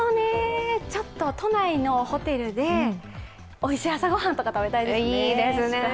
都内のホテルで、おいしい朝ごはんとか食べたいですね。